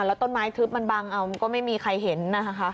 แล้วต้นไม้ทึบมันบังเอามันก็ไม่มีใครเห็นนะคะ